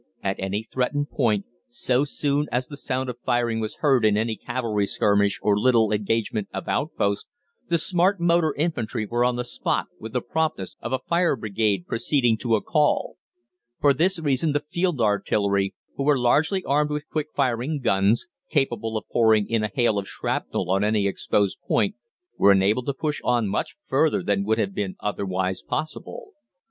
At any threatened point, so soon as the sound of firing was heard in any cavalry skirmish or little engagement of outposts, the smart motor infantry were on the spot with the promptness of a fire brigade proceeding to a call. For this reason the field artillery, who were largely armed with quick firing guns, capable of pouring in a hail of shrapnel on any exposed point, were enabled to push on much further than would have been otherwise possible.